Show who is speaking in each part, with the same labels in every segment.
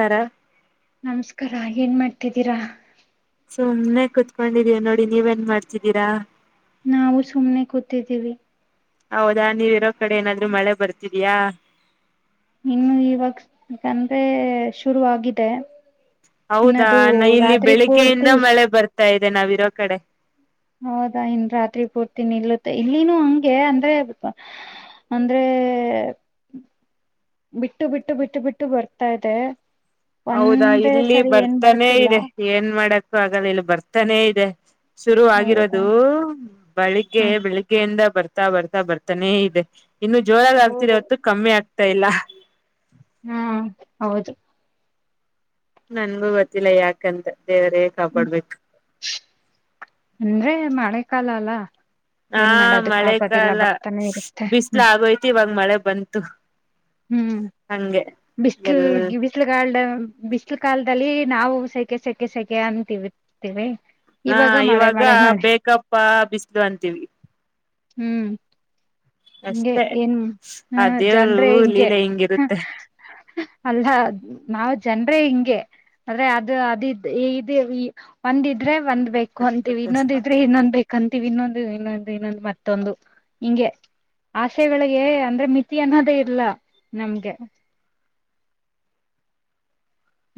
Speaker 1: ತರ
Speaker 2: ನಮಸ್ಕಾರ ಏನ್ ಮಾಡ್ತಿದ್ದೀರಾ
Speaker 1: ಸುಮಮ್ಮನೆ ಕುೂತ್ಕೊಂಡಿದೀವಿ ನೋಡಿ ನೀವೆನ್ ಮಾಡ್ತಿದ್ದೀರಾ
Speaker 2: ನಾವು ಸುಮ್ನೆ ಕೂತಿದ್ದೀವಿ
Speaker 1: ಹೌದಾ ನೀವ್ ಇರೋ ಕಡೆ ಏನಾದ್ರು ಮಳೆ ಬರ್ತಿದ್ಯಾ
Speaker 2: ಇನ್ನು ಇವಾಗ ಅಂದ್ರೆ ಶುರು ಆಗಿದೆ
Speaker 1: ಹೌದಾ
Speaker 2: ಇನ್ನದು
Speaker 1: ಇಲ್ಲಿ
Speaker 2: ರಾತ್ರಿ
Speaker 1: ಬೆಳಿಗ್ಗೆಯಿಂದ
Speaker 2: ಪೂರ್ತಿ
Speaker 1: ಮಳೆ ಬರ್ತಾ ಇದೆ ನಾವಿರೋ ಕಡೆ
Speaker 2: ಹೌದಾ ಇನ್ ರಾತ್ರಿ ಪೂರ್ತಿ ನಿ ನಿಲ್ಲುತ್ತೆ ಇಲ್ಲಿನು ಹಂಗೆ ಅಂದ್ರೆ ಅಂದ್ರೆ ಹ
Speaker 1: [unintelligible]
Speaker 2: ಬಿಟ್ಟು ಬಿಟ್ಟು ಬಿಟ್ಟು ಬಿಟ್ಟು ಬರ್ತಾ ಇದೆ
Speaker 1: ಹೌದಾ
Speaker 2: ಒಂದೇ
Speaker 1: ಇಲ್ಲಿ
Speaker 2: ಸರಿ ಏನ್
Speaker 1: ಬರ್ತಾನೇ
Speaker 2: ಬರ್ತಿಲ್ಲ
Speaker 1: ಇದೆ ಏನ್ ಮಾಡಕ್ಕು ಆಗಲ್ಲ ಇಲ್ಲಿ ಬರ್ತಾನೇ ಇದೆ ಶುರು
Speaker 2: ಹೌದಾ
Speaker 1: ಆಗಿರೋದು ಬೆಳಗ್ಗೆ
Speaker 2: ಹ್ಮ
Speaker 1: ಬೆಳಿಗ್ಗೆಯಿಂದ ಬರ್ತಾ ಬರ್ತಾ ಬರ್ತಾನೆ ಇದೆ ಇನ್ನು ಜೋರಾಗ ಆಗ್ತಿದೆ
Speaker 2: ಹೌದು
Speaker 1: ಹೊತ್ತು ಕಮ್ಮಿ ಆಗ್ತಾ ಇಲ್ಲ
Speaker 2: ಹಾ ಹೌದು
Speaker 1: ನನ್ಗು ಗೊತ್ತಿಲ್ಲ ಯಾಕಂತ ದೇವರೆ ಕಾಪಾಡ್ಬೇಕು
Speaker 2: ಅಂದ್ರೆ ಮಳೆಕಾಲ ಅಲ್ಲ
Speaker 1: ಹಾ
Speaker 2: ಏನ್ ಮಾಡೋದಕ್
Speaker 1: ಮಳೆ
Speaker 2: ಆಗೋದಿಲ್ಲ
Speaker 1: ಕಾಲ
Speaker 2: ಬರ್ತಾನೆ ಇರುತ್ತೆ
Speaker 1: ಬಿಸಲು
Speaker 2: ಹ್ಮ್
Speaker 1: ಆಗೋಯ್ತಿ ಇವಾಗ ಮಳೆ ಬಂತು
Speaker 2: ಹ್ಮ್
Speaker 1: ಹಂಗೆ
Speaker 2: ಬಿಸಿಲು
Speaker 1: ಎಲ್
Speaker 2: ಬಿಸಿಲುಗಾಲ್ದ ಬಿಸಿಲು ಕಾಾಲದಲ್ಲಿ ನಾವು ಸೈ ಸಕ ಸೆಕೆ ಸೆಕೆ ಅಂತವಿತೀವಿ
Speaker 1: ಹಾ ಇವಾಗ ಬೇಕಪ್ಪ ಬಿಸಿಲು ಅಂತೀವಿ
Speaker 2: ಹ್ಮ್ ಹಗೆ
Speaker 1: ಅಷ್ಟೆ
Speaker 2: ಏನ್
Speaker 1: ಆ
Speaker 2: ಹ್ಮ
Speaker 1: ದೇವರು
Speaker 2: ಜನರೆ ಹಿಂಗೆ
Speaker 1: ಲೀಲೆ ಹಿಂಗಿರುತ್ತೆ
Speaker 2: ಅಲ್ಲ ನಾವ ಜನ್ರೇ ಹಿಂಗೆ ಅ್ರ ಅದು ಅದ ಇ ಒಂದಿದ್ರೆ ಒಂದ್ ಬೇಕು ಅಂತೀವಿ ಇನ್ನೊಂದಿದ್ರೆ ಇನ್ನೊಂದ್ ಬೇಕಂತ ವಿ ಇನ್ನೊಂದು ಇನ್ನೊಂದು ಇನ್ನೊಂದು ಮತ್ತೊಂದು ಹಿಂಗೆ ಆಶೆಗಳಿಗೆ ಅಂದ್ರೆ ಮಿತಿ ಅನ್ನೋದೇ ಇಲ್ಲ ನಮ್ಗೆ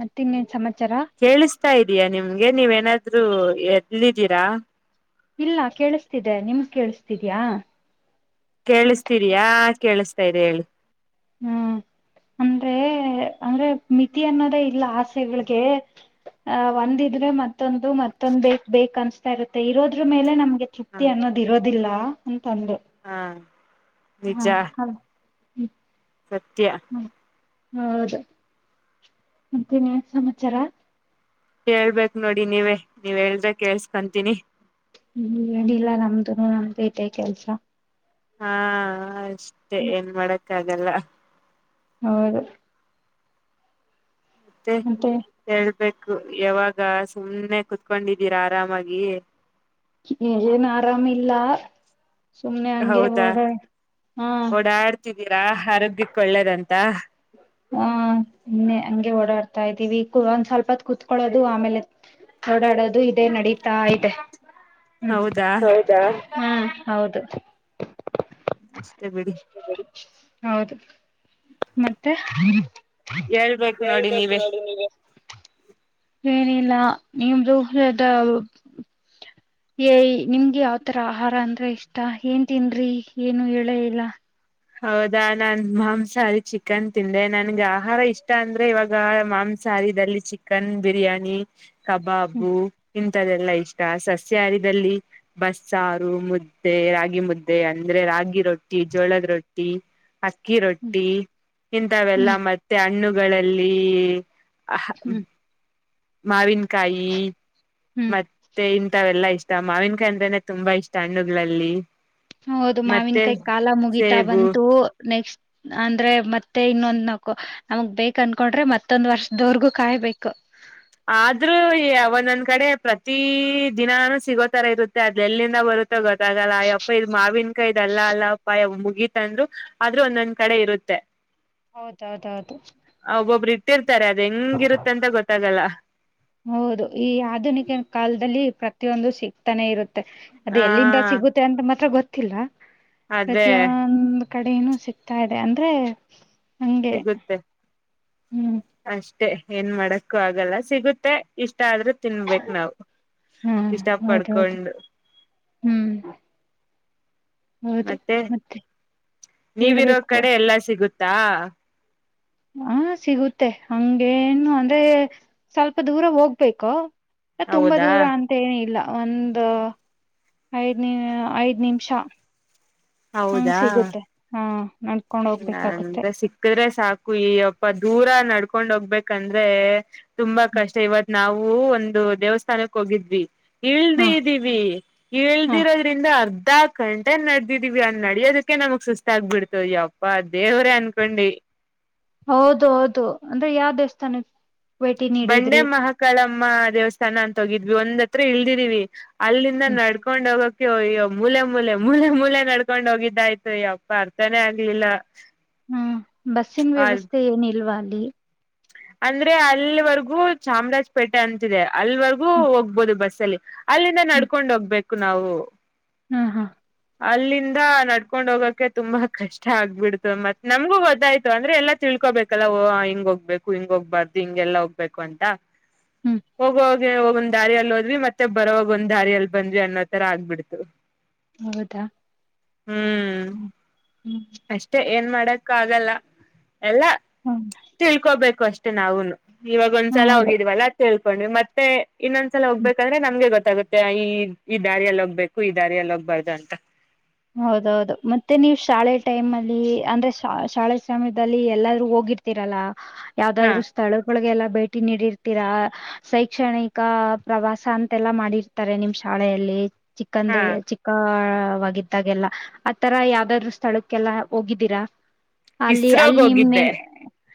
Speaker 2: ಮತ್ತ ಇನ್ನೆನ್ ಸಮಾಚಾರ
Speaker 1: ಕೇಳಿಸ್ತಾ ಇದೀಯಾ ನಿಮ್ಗೆ ನೀವೇನಾದ್ರು ಎಲ್ಲಿದ್ದೀರಾ
Speaker 2: ಇಲ್ಲ ಕೇಳಿಸ್ತಿದೆ ನಿಮ್ಗೆ ಕೇಳಸ್ತಿದ್ಯಾ
Speaker 1: ಕೇಳಸ್ತಿದಿಯ ಕೇಳಿಸ್ತಾ ಇದೆ ಹೇಳಿ
Speaker 2: ಹ್ಮ್ ಅಂದ್ರೆ ಅಂದ್ರೆ ಮಿತಿ ಅನ್ನೋದೇ ಇಲ್ಲ ಆಸೆಗಳಿಗೆ ಆ ಒಂದಿದ್ರೆ ಮತ್ತೊಂದು ಮತ್ತೊಂದ್ ಬೇಕ್ ಬೇಕ್ ಅನ್ಸ್ತಾ ಇರುತ್ತೆ ಇರೋದ್ರ ಮೇಲೆ ನಮ್
Speaker 1: ಹ
Speaker 2: ತೃಪ್ತಿ ಅನ್ನೋದ ಇರೋದಿಲ್ಲ ಅಂತ ಅಂದ್ರೆ
Speaker 1: ಹಾ
Speaker 2: ಹಾ
Speaker 1: ನಿಜ
Speaker 2: ಹಾ ಹ್ಮ
Speaker 1: ಸತ್ಯ
Speaker 2: ಹೌದು ಮತ್ತೆ ಇನ್ನೇನ್ ಸಮಾಚಾರ
Speaker 1: ಹೇಳ್ಬೇಕ್ ನೋಡಿ ನೀವೇ ನೀವ್ ಹೇಳದ್ರೆ ಕೇಳ್ಸ್ಕಂತೀನಿ
Speaker 2: ಹ್ಮ ಇಲ್ಲ ನಮ್ದು ನಮ್ದು ತೆ ಕೆಲ್ಸ
Speaker 1: ಹಾ ಅಷ್ಟೆ ಏನ್ ಮಾಡಕ್ಕ ಆಗಲ್ಲ
Speaker 2: ಹೌದು
Speaker 1: ಮತ್ತೆ ಯಾವಾಗ ಸುಮ್ನೆ ಕುತ್ಕೊಂಡಿದ್ದೀರಾ ಆರಾಮಾಗಿ
Speaker 2: ಏನು ಆರಾಮ ಇಲ್ಲ ಸುಮ್ನೆ ಹಂಗೆ
Speaker 1: ಹೌದಾ
Speaker 2: ಹಾ
Speaker 1: ಇದ್ದೀರಾ ಆರೋಗ್ಯಕ್ಕೆ ಒಳ್ಳೇದಂತ
Speaker 2: ಕತಾ ಇದ್ದೀವಿ ಒಂದ್ ಸ್ವಲ್ಪತ್ ಕ ಕುತ್ಕೊಳ್ಳೋದು ಆಮೇಲೆ ಓಡಾಡೋದು ಇದೆ ನಡೀತಾ ಇದೆ ಹ್ಮ
Speaker 1: ಹೌದಾ
Speaker 2: ಹಾ ಹೌದು
Speaker 1: ಅಷ್ಟೇ ಬಿಡಿ
Speaker 2: ಹೌದು ಮತ್ತೆ
Speaker 1: ಹೇಳ್ಬೇಕು ನೋಡಿ
Speaker 2: ಹೇಳಬೇಕು ಇವಾಗ ನೀವೇ ಏನಿಲ್ಲ ನಿಮ್ದು
Speaker 1: ಹ
Speaker 2: ಏಯ ನಿಮ್ಗೆ ಯಾವ್ತರ ಆಹಾರ ಅಂದ್ರೆ ಇಷ್ಟ ಏನ್ ತಿಂದ್ರಿ ಏನು ಹೇಳ ಇಲ್ಲ
Speaker 1: ಹೌದಾ ನಾನ್ ಮಾಂಸಾಹಾರಿ ಚಿಕನ್ ತಿಂದೆ ನನ್ಗೆ ಆಹಾರ ಇಷ್ಟ ಅಂದ್ರೆ ಇವಾಗ ಮಾಂಸ ಒ ಸಾರಿಲ್ಲಿ ಚಿಕನ್ ಬಿರಿಯಾನಿ
Speaker 2: ಹ್ಮ್
Speaker 1: ಕಬಾಬು ದೆಲ್ಲ ಇಷ್ಟ ಸಸ್ಯಹಾರಿದದಲ್ಲಿ ಬಸ್ಸಾರು ಮುದ್ದೆ ರಾಗಿ ಮುದ್ದೆ ಅಂದ್ರೆ ರಾಗಿ ರೊಟ್ಟಿ ಜೋಳದ ರೊಟ್ಟಿ ಅಕ್ಕಿ
Speaker 2: ಹ್ಮ್
Speaker 1: ರೊಟ್ಟಿ ಇಂತವೆಲ್ಲ
Speaker 2: ಹ್ಮ್
Speaker 1: ಮತ್ತೆ ಹಣ್ಣು ಗಳಲ್ಲಿ
Speaker 2: ಹ್ಮ್
Speaker 1: ಮಾವಿನಕಾಯಿ
Speaker 2: ಹ್ಮ್
Speaker 1: ಮತ್ತೆ ಇಂಂತವೆಲ್ಲಾ ಇ ಇಷ್ಟ ಮಾವಿನಕಾಯಿ ಅಂದ್ರನೆ ತುಂಬಾ ಇಷ್ಟ ಹಣ್ಣುಗಳಲ್ಲಿ
Speaker 2: ಹೌದು ಮಾವಿನ
Speaker 1: ಮತ್ತೆ
Speaker 2: ಕಾಯಿ ಕಾಲ ಮುಗೀತಾ
Speaker 1: ಸೇಬು
Speaker 2: ಬಂತು ನೆಕ್ಸ್ಟ್ ಅಂದ್ರೆ ಮತ್ತೆ ಇನ್ನೊಂದ್ ನಕು ನಮಗ್ ಬೇಕಕ್ ಅನ್ಕೊಂಡ್ರೆ ಮತ್ತೊಂದ್ ವರ್ಷದವರ್ಗೂ ಕಾಯ್ಬೇಕು
Speaker 1: ಆದ್ರೂ ಅವ ನನ್ ಕಡೆ ಪ್ರತಿ ದಿನಾನೂ ಸಿಗೋತರ ಇರುತ್ತೆ ಅದಲ್ಲಿಂದ ಬರುತ್ತೆ ಗೊತ್ತಾಗಲ್ಲ ಅಯ್ಯಪ್ಪ ಇದ್ ಮಾವಿನನ್ಕಾಯ ಧು ಇದಲ್ಲ ಅಲ್ಲ ಅಪ್ಪ ಗೀತ ಅಂದ್ರು ಆದ್ರೂ ಒಂದೊಂದ್ ಕಡೆ ಇರುತ್ತೆ
Speaker 2: ಹೌದೌದೌದು
Speaker 1: ಇತಾರೆ ಅದ ಹೆಂಗಿರುತ್ತ ಅಂತ ಗೊತ್ತಾಗಲ್ಲ
Speaker 2: ಹೌದು ಈ ಆಧುನಿಕ ಕಾಲದಲ್ಲಿ ಪ್ರತಿಯೊಂದು ಸಿಗ್ತಾನೆ ಇರುತ್ತೆ ಅದು
Speaker 1: ಆ
Speaker 2: ಎಲ್ಲಿಂದ ಸಿಗುತ್ತೆ ಅಂತ ಮಾತ್ರ ಗೊತ್ತಿಲ್ಲ
Speaker 1: ಅದೇ
Speaker 2: ಪ್ರತಿಯೊಂದು ಕಡೆನೂ ಸಿಗ್ತಾ ಇದೆ ಅಂದ್ರೆ ಹಂಗೆ
Speaker 1: ಸಿಗುತ್ತೆ
Speaker 2: ಹ್ಮ್
Speaker 1: ಅಷ್ಟೆ ಏನ್ ಮಾಡಕ್ಕು ಆಗಲ್ಲ ಸಿಗುತ್ತೆ ಇಷ್ಟ ಆದ್ರೂ ತಿನ್ಬೇಕು ನಾವವು
Speaker 2: ಹಾ ಹೌದೌದು
Speaker 1: ಇಷ್ಟಪಡ್ಕೊಂಡ
Speaker 2: ಹ್ಮ್
Speaker 1: ಮತ್ತೆ ನೀವಿರೋ
Speaker 2: ಹೇಳ್ಬೇಕು.
Speaker 1: ಕಡೆ ಎಲ್ಲಾ ಸಿಗುತ್ತೆ ಹಾ
Speaker 2: ಹಾ ಸಿಗುತ್ತೆ ಹಂಗೇನು ಅಂದ್ರೆ ಸ್ವಲ್ಪ ದೂರ ಹೋಗ್ಬೇಕು ತುಂಬಾ
Speaker 1: ಹೌದಾ
Speaker 2: ದೂರ ಅಂತೇಏನ ಇಲ್ಲ ಒಂದು ಐದ ನಿ ಐದ್ ನಿಮಿಷ ಹಂಗ ಸಿಗುತ್ತೆ ಹಾ ನಡ್ಕೊಂಡ್ ಹೋಗ್ಬೇಕಾಗುತ್ತೆ
Speaker 1: ಇಂದ್ರೆ ಸಿಕ್ಕದ್ರೆ ಸಾಕು ಅಪ್ಪ ದೂರ ನಡ್ಕೊಂಡ್ ಹೋಗ್ಬೇಕಂದ್ರೆ ತುಂಬಾ ಕಷ್ಟ ಇವತ್ ನಾವು ಹ ಒಂದು ದೇವಸ್ಥಾನಕ್ಕೆ ಹೋಗಿದ್ವಿ
Speaker 2: ಹಾ
Speaker 1: ಇಳ್ದ್ದೀವಿ
Speaker 2: ಹಾ
Speaker 1: ಇಳ್ದಿರೋದ್ರಿಂದ ಅರ್ ಕಂಟೆ ನಡದಿದೀವಿ ಅನ್ ನಡಿಯೋದಕ್ಕೆ ನಮ್ಗ್ ಸಸ್ತ ಆಗ್ಬಿಡ್ತದೆ ಯಾವ ಅಪ್ಪ ದೇವ್ರೇ ಅನ್ಕೊಂಡಿ
Speaker 2: ಹೌದು ಹೌದು ಅಂದ್ರೆ ಯಾವ ದೇವಸ್ಥಾನ ಇ
Speaker 1: ಬಂಡೆ ಮಹಾಕಳಂ ಅಮ್ಮ ದೇವಸ್ಥಾನ ಅಂತ ಹೋಗಿದ್ವಿ ಒಂದ್ ಹತ್ರ ಇಲ್ದಿದೀವಿ ಅಲ್ಲಿಂದ
Speaker 2: ಹ್ಮ್
Speaker 1: ನಡ್ಕೊಂಡ್ ಹೋಗಕ್ ಅ್ಯೋಯ್ಯೋ ಮೂಲೆ ಮೂಲೆ ಮೂಲೆ ಮೂಲೆ ನಡ್ಕೊಂಡ್ ಹೋಗಿದ್ದಾಯ್ತು ಯಪ್ಪ ಅರ್ಥನೇ ಆಗ್ಲಿಲ್ಲ
Speaker 2: ಹ್ಮ್ ಬಸ್ಸಿನ
Speaker 1: ಅ
Speaker 2: ವ್ಯವಸ್ಥೆ ಏನಿಲ್ವಾ ಅಲ್ಲಿ
Speaker 1: ಅಂದ್ರೆ ಅಲ್ವರ್ಗೂ ಚಾಮರಾಜಪೇಟೆ ಅಂತಿದೆ ಅಲ್ವರ್ಗೂ
Speaker 2: ಹ್ಮ್
Speaker 1: ಹೋಗ್ಬೋದು ಬಸ್ ಅಲ್ಲಿ ಅಲ್ಲಿಂದ
Speaker 2: ಹ್ಮ್
Speaker 1: ನಡ್ಕೊಂಡ್ ಹೋಗ್ಬೇಕು ನಾವು
Speaker 2: ಹಾ ಹಾ
Speaker 1: ಅಲ್ಲಿಂದ ನಡ್ಕೊಂಡ್ ಹೋಗೋಕ್ಕೆೆ ತುಂಬಾ ಕಷ್ಟ ಆಗ್ಬಿಡ್ತು ಮತ್ ನಮಗೂ ಗೊಥಾಯ್ತು ಅಂದ್ರೆ ಎಲ್ಲಾ ತಿಳ್ ಇಕೋಬೇಕಲ್ಲಾ ಹಿಂಗ ಹೋಗ್ಬೇಕು ಹಿಂಗ ಹೋಗ್ಬಾರ್ದು ಹಿಂಗೆಲ್ಲಾ ಹೋಗ್ಬೇಕು ಅಂತ
Speaker 2: ಹ್ಮ್
Speaker 1: ಹೋಗೋಗ ಹೋಗ್ ದಾರಿಿಯ ಎಲ್ಲಿ ಮತ್ತೆ ಬರವಾಗ ಒಂದ ದಾರಿಯಲ್ಲಿ ಬಂದ್ವಿ ಅನ್ನೋ ತರ ಆಗ್ಬಿಡ್ತು
Speaker 2: ಹೌದಾ
Speaker 1: ಹ್ಮ್
Speaker 2: ಹ್ಮ
Speaker 1: ಅಷ್ಟೇ ಏನ್ ಮಾಡಕ್ಕ ಆಗಲ್ಲ ಎಲ್ಲ
Speaker 2: ಹ್ಮ್
Speaker 1: ತಿಳ್ಕೋಬೇಕು ಅಷ್ಟೆ ನಾವುನು ಇವಾಗ ಒಂದ್ಸಲ
Speaker 2: ಹೌದು
Speaker 1: ಹೋಗಿದೀವಲ್ಲ ತಿಳ್ಕೊಂಡ್ವಿ ಮತ್ತೆ ಇನ್ನೊಂದ್ಸಲ
Speaker 2: ಹ್ಮ
Speaker 1: ಹೋಗ್ಬೇಕಂದ್ರೆ ನಮ್ಗೆ ಗೊತ್ತ ಗುತ್ತೆ ಈ ಈ ದಾರಿಯಲ್ಲಿ ಹೋಗ್ಬೇಕು ಈ ದಾರಿಯಲ್ಲಿ ಹೋಗ್ಬಾರ್ದು ಅಂತ
Speaker 2: ಹೌದೌದು ಮತ್ತೆ ನೀವು ಶಾಲೆ ಟೈಮ್ ಅಲ್ಲಿ ಅಂದ್ರೆ ಶಾಲೆ ಸಮಯದಲ್ಲಿ ಎಲ್ಲಾರ ಹೋಗ ರಲ್ಲ
Speaker 1: ಹಾ
Speaker 2: ಯಾವದಾದ್ರು ಸ್ಥಳಗಳಿಗೆಲ್ಲ ಭೇಟಿ ನೀಡಿರ್ತೀರಾ ಶೈಕ್ಷಣಿಕ ಪ್ರವಾಸ ಅಂತೆಲ್ಲಾ ಮಾಡಿರ್ತಾರೆ ನಿಮ್ ಶಾಲೆಯಲ್ಲಿ
Speaker 1: ಹಾ
Speaker 2: ಚಿಕ್ಕಂದ್ರೆ ಚಿಕ್ಕವಿದ್ದ ಗೊತ್ತಾಗೆಲ್ಲ ಆತರ ಯಾವ್ದಾದ್ರು ಸ್ಥಳಕ್ಕೆಲ್ಲ ಹೋಗಿದ್ದೀರಾ ಅಲ್ಲಿ
Speaker 1: ಇಸ್ರೋಗ್
Speaker 2: ಅಲ್ಲಿ ನಿಮ್
Speaker 1: ಹೋಗಿದ್ದೆ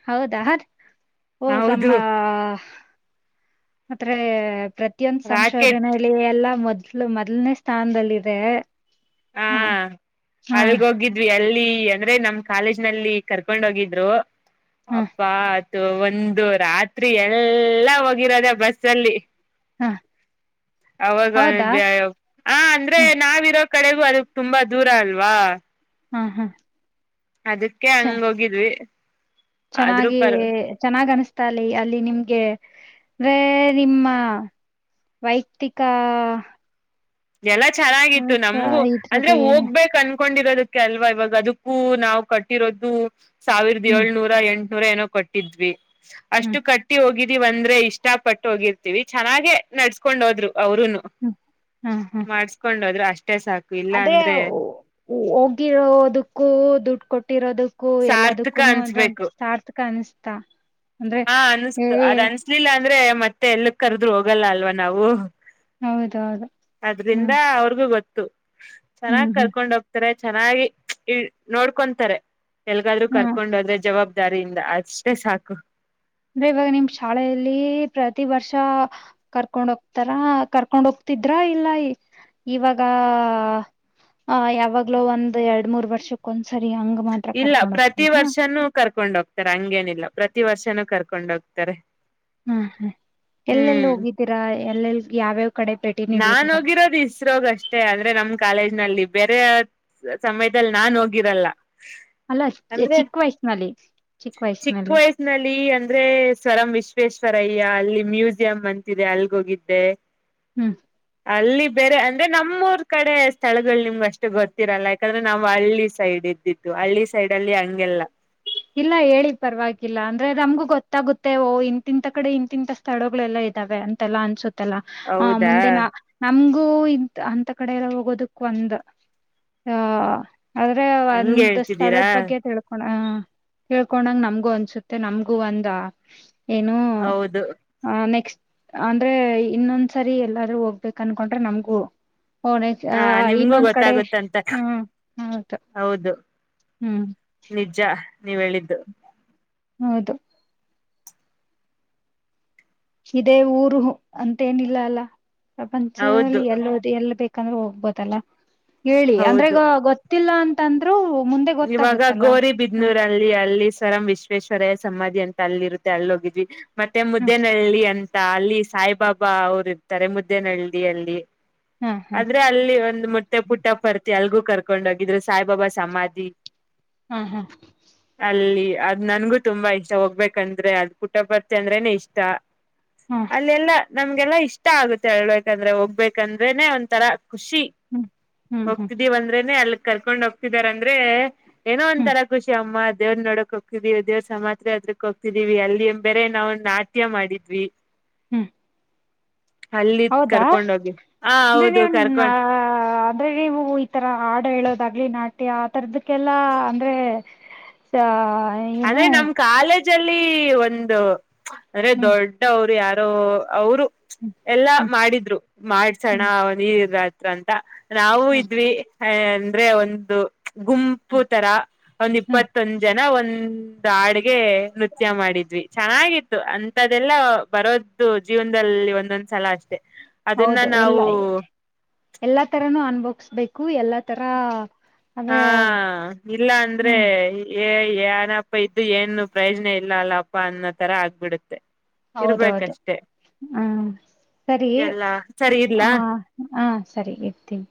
Speaker 2: ಹೌದಾ ಅದ ನಮ್ಮ
Speaker 1: ಹೌದು
Speaker 2: ಮತ್ರೆ ಪ್ರತಿಯೊಂದು
Speaker 1: ರಾಕೆಟ್
Speaker 2: ಸಂಶೋಧನೆಯಲ್ಲಿ ಎಲ್ಲಾ ಮೊದ್ಲು ಮೊದ್ಲನೇ ಸ್ಥಾನದಲ್ಲಿದೆ
Speaker 1: ಹಾ
Speaker 2: ಹ ಹಾ
Speaker 1: ಅಲ್ಗ ಹೋಗಿದ್ವಿ ಅಲ್ಲಿ ಅಂದ್ರೆ ನಮ್ ಕಾಲೇಜ್ ನಲ್ಲಿ ಕರ್ಕೊಂಡ ಹೋಗಿದ್ರು
Speaker 2: ಹಾ
Speaker 1: ಅಬಾ ಒಂದು ರಾತ್ರಿ ಎಲ್ಲಾ ಹೋಗಿರೋದ ಬಸ್ ಅಲ್ಲಿ
Speaker 2: ಹಾ
Speaker 1: ಅವಾಗ
Speaker 2: ಹೌದಾ
Speaker 1: ಬ ಹ ಅಂದ್ರೆ
Speaker 2: ಹಾ
Speaker 1: ನಾವಿರೋ ಕಡೆಗೂ ಅದಕ್ ತುಂಬಾ ದೂರ ಅಲ್ವಾ
Speaker 2: ಹಾ ಹಾ
Speaker 1: ಅದಕ್ಕೆ
Speaker 2: ಚ
Speaker 1: ಹಂಗ ಹೋಗಿದ್ವಿ ಆದ್ರೂ
Speaker 2: ಚೆನ್ನಾಗಿ
Speaker 1: ಪರ್
Speaker 2: ಚೆನ್ನಾಗ್ ಅನ್ಸ್ತ ತ್ತಾಲ ಅಲ್ಲಿ ನಿಮ್ಗೆ ರೇ ನಿಮ್ಮ ವೈಯಕ್ತಿಕ
Speaker 1: ಎಲ್ಲ ಚೆನ್ನಾಗಿತ್ತು ನಮಗು
Speaker 2: ಅಹ್,
Speaker 1: ಅಂದ್ರೆ
Speaker 2: ಇದ್ರದ್ದು ಏ-
Speaker 1: ಹೋಗ್ಬೇಕನ್ ಕೊಂಡಿರೋದಕ್ಕೆ ಅಲ್ವಾ ಇವಾಗ ಅದಕ್ಕೂ ನಾವು ಕಟ್ಟಿರೋದು ಸಾವಿರದ
Speaker 2: ಹ್ಮ್
Speaker 1: ಏಳ್ನೂರ ಎಂಟು ನೂರ ಏನೋ ಕೊಟ್ಟಿದ್ವಿ
Speaker 2: ಹ್ಮ್
Speaker 1: ಅಷ್ಟು ಕಟ್ಟಿ ಹೋಗಿದ ಇಷ್ಟ ಪಟ್ಟು ಹೋಗಿರ್ತೀವಿ ಚೆನ್ನಾಗೆ ನಡ್ಸ್ಕೊಂಡ್ ಹೋದ್ರು ಅವರುೂನು
Speaker 2: ಹ್ಮ್ ಹ್ಮ್ ಹ್ಮ್
Speaker 1: ಮಾಡಸ್ಕೊಂಡ್ ಹೋದ್ರು ಅಷ್ಟೇ ಇಲ್ಲ
Speaker 2: ಅದೇ
Speaker 1: ಅಂದ್ರೆ
Speaker 2: ಹೋಗಿರೋದಕ್ಕೂ ದುಡ್ಡು ಕೊಟ್ಟಿರೋದಕ್ಕೂ
Speaker 1: ಸಾರ್ಥಕ
Speaker 2: ಎಲ್ಲದಕ್ಕೂನು ಅಂದ್ರಂತ
Speaker 1: ಅನ್ಸ್ಬೇಕು
Speaker 2: ಸಾರ್ಥಕ ಅನಿಸ್ತಾ ಅಂದ್ರೆ
Speaker 1: ಹಾ ಅನ್ಸ್ ಅದ ಅನ್ಸಲ್ಲ ಅಂದ್ರೆ ಮ ಮತ್ತೆ ಎಲ್ಲ ಕರೆದ್ರೂ ಹೋಗಲ್ಲ ಅಲ್ವಾ ನಾವು
Speaker 2: ಹೌದೌದು
Speaker 1: ಅದ್ರಿಂದ
Speaker 2: ಹ್ಮ್
Speaker 1: ಅವ್ರಗೂ ಗೊತ್ತ
Speaker 2: ಹ್ಮ್
Speaker 1: ಚೆನ್ನಾಗಿ
Speaker 2: ಹ್ಮ್
Speaker 1: ಕರ್ಕೊಂಡ್ ಹೋಗ್ತಾರೆ ಚೆನ್ನಾಗಿ ಇ ನೋಡ್ಕೊಂತಾರೆ ಎಲ್ಗಾದರು
Speaker 2: ಹಾ
Speaker 1: ಕರ್ಕೊಂಡ ಹೋದ್ರೆ ಜವಾಬ್ದಾರಿಯಿಂದ ಅಷ್ಟೆ ಸಾಕು
Speaker 2: ಅಂದ್ರೆ ಇವಾಗ ನಿಮ್ ಶಾಲೆಯಲ್ಲಿ ಪ್ರತಿ ವರ್ಷ ಕರ್ಕೊಂಡ ಹೋಗ್ತಾರ ಕರ್ಕೊಂಡ ಹೋಗ್ ದ್ರ ಇಲ್ಲ ಇವಾಗ ಹ ಯಾವಾಗ್ಲೂ ಒಂದ್ ಎರಡ್ ಮೂರ್ ವರ್ಷಕ್ಕೊಂದ್ಸರಿ
Speaker 1: ಇಲ್ಲ ಪ್ರತಿ ವರ್ಷನುೂ ಕರ್ಕೊಂಡ್ ಹೋಗ್ತಾರೆ ಹಂಗೇನಿಲ್ಲ ಪ್ರತಿ ವರ್ಷನೂ ಕರ್ಕೊಂಡ ಹೋಗ್ತಾರೆ
Speaker 2: ಹಾ ಹಾ ಎಲ್ಲೆಲ್ಲಿ
Speaker 1: ಹ್ಮ್
Speaker 2: ಹೋಗಿದ್ದೀರಾ ಎಲ್ಲೆಲ್ ಯಾವ್ಯಾವ ಕಡೆ ಭೇಟಿ
Speaker 1: ನಾನ್
Speaker 2: ನೀಡಿದ್ದೀರಾ
Speaker 1: ಹೋಗಿರೋದು ಇಸ್ರೋಗ ಅಷ್ಟೇ ಅಂದ್ರೆ ನಮ್ ಕಾಲೇಜ್ ನಲ್ಲಿ ಬೇರೆ ಸಮಯದಲ್ಲಿ ನಾನ್ ಹೋಗಿರಲ್ಲ
Speaker 2: ಅಲ್ಲ
Speaker 1: ಅಂದ್ರೆ
Speaker 2: ಚಿಕ್ಕ ವಯಸ್ಸಿನಲ್ಲಿ
Speaker 1: ಚಿಕ್ಕ ವಯಸ್ಸಿನಲ್ಲಿ ಅಂದ್ರೆ ಸ್ವರಂ ವಿಶ್ವೇಶ್ವ ಸರಯ್ಯ ಅಲ್ಲಿ ಮ್ಯೂಸಿಯಂ ಅಂತಿದೆ ಅಲ್ಗೋಗಿದ್ದೆ
Speaker 2: ಹ್ಮ್
Speaker 1: ಅಲ್ಲಿ ಬೇರೆ ಅಂದ್ರೆ ನಮ್ಮೂರ್ ಕಡೆ ಸ್ಥಳಗಳು ನಿಮ್ಗೆ ಅಷ್ಟು ಗೊತ್ತಿರಲ್ಲ ಯಾಕಂದ್ರೆ ನಾವ್ ಹಳ್ಳಿ ಸೈಡ್ ಇದೆ ಬ್ದಿದ್ದತ್ತು ಹಳ್ಳಿ ಸೈಡ್ ಅಲ್ಲಿ ಹಂಗೆಲ್ಲ
Speaker 2: ಇಲ್ಲ ಹೇಳಿ ಪರವಾಗಿಲ್ಲ ಅಂದ್ರೆ ನಮ್ಗೂ ಗೊತ್ತಾಗುತ್ತೇವ ಇಂತಿಂತ ಕಡೆ ಇಂತಿಂತ ಸ್ಥಳಗಳೆಲ್ಲ ಅಂತೆಲ್ಲ ಅನ್ಸುತ್ತಲ್ಲ ಹ
Speaker 1: ಹೌದಾ
Speaker 2: ಮುಂದೆ ನ ನಮ ಹೂ ಇಂತ ಅಂತ ಕಡೆ ಎಲ್ಲ ಹೋಗೋದಕ್ ಒಂದ ಆ ಆದ್ರೆ
Speaker 1: ಹಂಗ
Speaker 2: ಒಂದ
Speaker 1: ಹೇಳ್ತಿದ್ದೀರಾ
Speaker 2: ಸ್ಥಳದ ಬಗ್ಗೆ ತಿೇಳ್ಕೊ ತಿಳ್ಕೊಂಡಂಗ್ ನಮ್ಗು ಅನ್ಸುತ್ತೆ ನಮ್ಗೂ ಒಂದ ಏನು
Speaker 1: ಹೌದು
Speaker 2: ಅ ನೆಕ್ಸ್ಟ್ ಅಂದ್ರೆ ಇನ್ನೊಂದ್ಸರಿ ಎಲ್ಲಾದ್ರು ಹೋಗ್ಬೇಕ ಅನ್ಕೊಂಡ್ರೆ ನಮ್ಗೂ ಫೋರ್ ಡೇಸ್ ಹಾ
Speaker 1: ಹ ನಿಮ್ಗೂ
Speaker 2: ಇನ್ನೊಂದ್ ಕಡೆ
Speaker 1: ಗೊತ್ತಾಗುತ್ತಂತ
Speaker 2: ಹ್ಮ್ ಹೌದು ಹ್ಮ್
Speaker 1: ನಿಜ್ಜ ನೀವೇಳಿದ್ದು
Speaker 2: ಹೌದು ಇದೇ ಊರು ಅಂತೇನ್ ಇಲ್ಲ ಅಲ್ಲ ಪ್ರಪಂಚದಲ್ಲಿ
Speaker 1: ಹೌದು
Speaker 2: ಎಲ್ಲೋದಿ ಎಲ್ಲಿ ಬೇಕ್ ಬೆಕಂದ್ರು ಹೋಗ್ಬೋದಲ್ಲ ಹೇಳಿ ಅಂದ್ರೆ
Speaker 1: ಹೌದು
Speaker 2: ಇಗ ಗೊತ್ತಿಲ್ಲ ಅಂತಂದ್ರು ಮುಂದೆ
Speaker 1: ಇವಾಗ
Speaker 2: ಗೊತ್ತಾಗುತ್ತಲ್ಲ ಹ
Speaker 1: ಗೋರಿಬಿದ್ನೂರಲ್ಲಿ ಅಲ್ಲಿ ಸರ್ ಎಂ ವಿಶ್ವೇಶ್ವರಯ್ಯ ಸಮಾಧಿ ಅಂತ ಅಲ್ಲಿರುತ್ತೆ ಅಲ್ಲಿ ಹೋಗಿದ್ವಿ ಮತ್ತೆ
Speaker 2: ಹ
Speaker 1: ಮುದ್ದೆನಹಳ್ಳಿ ಅಂ ತ ಅಲ್ಲಿ ಸಾಯಿಬಾಬಾ ಅವರು ಇರ್ತಾರೆ ಮುದ್ದೇನಳ್ಳಿ ಅಲ್ಲಿ
Speaker 2: ಹ ಹ
Speaker 1: ಆದ್ರೆ ಅಲ್ಲಿ ಒಂದು ಮೊಟ್ಟೆ ಪುಟ್ಟ ಪರ್ತಿ ಅಲ್ಗೂ ಕರ್ಕೊಂಡ್ ಹೋಗಿದ್ರು ಸಾಯಿಬಾಬಾ ಸಮಾಧಿ
Speaker 2: ಹ್ಮ ಹಾ
Speaker 1: ಅಲ್ಲಿ ಅದ್ ನನ್ಗು ತುಂಬಾ ಇಷ್ಟ ಹೋಗ್ಬೇಕಂದ್ರೆ ಅದ್ ಪುಟ ಪರ್ತಿ ಅಂದ್ರನೆ ಇಷ್ಟ
Speaker 2: ಹ
Speaker 1: ಅಲ್ಲೆಲ್ಲಾ ನಮ್ಗೆಲ್ಲಾ ಇಷ್ಟ ಆಗುತ್ತೆ ಹೇಳ್ಬೇಕಂದ್ರೆ ಹೋಗ್ಬೇಕಂದ್ರೆನೆ ಒಂಥರ ಖುಷಿ
Speaker 2: ಹ್ಮ್ ಹ್ಮ್ ಹ್ಮ್
Speaker 1: ಹೋಗ್ತಿದ್ದೀವಿ ಅಂದ್ರೆನೆ ಅಲ್ಲಿ ಕರ್ಕೊಂಡ್ ಹೋಗ್ತಿದಾರಾಂದ್ರೆ ಏನೋ
Speaker 2: ಹ್ಮ್
Speaker 1: ಒಂಥರ ಖುಷಿ ಅಮ್ಮ ದೇವ್ರ ನೋಡಕ್ ಹೋಗ್ತಿದೀವಿ ದೇವ್ರ ಸಮಾತ್ರೆ ಯಾತೃಕ್ ಹೋಗ್ತಿದೀವಿ ಅಲ್ಲಿ ಎ ಬೇರೆ ನಾವು ನಾಟ್ಯ ಮಾಡಿದ್ವಿ
Speaker 2: ಹ್ಮ್
Speaker 1: ಅಲ್ಲಿ
Speaker 2: ಹೌದಾ
Speaker 1: ಕರ್ಕೊಂಡ್ ಹೋಗಿ ಹ
Speaker 2: ಅಂದ್ರೆ
Speaker 1: ಹೌದು
Speaker 2: ನೀವು
Speaker 1: ಕರ್ಕೊಂಡ್
Speaker 2: ಅಂದ್ರೆ ನೀವು ಈತರ ಹಾಡು ಹೇಳೋದು ದಾಗ್ಲಿ ನಾಟ್ಯ ಆತರದಕ್ಕೆಲ್ಲಾ ಅಂದ್ರೆ ಏನು
Speaker 1: ಅಂದ್ರೆ ನಮ್ ಕಾಲೇಜಲ್ಲಿ ಒಂದು ಅಂದ್ರೆ
Speaker 2: ಹ್ಮ್
Speaker 1: ದೊಡ್ಡವರು ಯಾರ ರೂ ಅವರು ಎಲ್ಲಾ
Speaker 2: ಹ್ಮ್
Speaker 1: ಮಾಡಿದ್ರು ಮಾಡ್ಸೋಣ
Speaker 2: ಹ್ಮ್
Speaker 1: ಇವ್ರ್ ಹತ್ರ ಅಂತ ನಾವು ಇದ್ವಿ ಅಂದ್ರೆ ಒಂದು ಗುಂಪು ತರ ಒಂದ್
Speaker 2: ಹ್ಮ್
Speaker 1: ಇಪ್ಪತ್ತೊಂದ ಜನ ಒಂದ್ ಒಂದು ಹಾಡ್ಗೆ ನೃತ್ಯ ಮಾಡಿದ್ವಿ ಚೆನ್ನಾಗಿತ್ತು ಅಂತದೆಲ್ಲ ಬರೋದು ಜೀವ ನಂದಲ್ಲಿ ಒಂದೊಂದ್ ಸಲ ಅಷ್ಟೇ
Speaker 2: ಹೌದು ಎಲ್ಲ ಎಲ್ಲಾ ತರನುೂ ಅಂಬಾವಸ್ಬೇಕು
Speaker 1: ಹಾ ಇಲ್ಲ ಅಂದ್ರೆ
Speaker 2: ಹ್ಮ್
Speaker 1: ಏ ಏನಪ್ಪ ಇದ್ದು ಏನು ಪ್ರಯೋಜನ ಇಲ್ಲ ಅಲ್ಲಪ್ಪ ಅನ್ನೋ ತರ ಆಗ್ಬಿಡುತ್ತೆ
Speaker 2: ಹೌದೌದು
Speaker 1: ಇರ್ಬೇಕಷ್ಟೆ
Speaker 2: ಹ್ಮ ಸರಿ
Speaker 1: ಎಲ್ಲಾ ಸರಿ ಇಡ್ಲಾ.
Speaker 2: ಆ ಹಾ ಸರಿ ಇರ್ತೀನಿ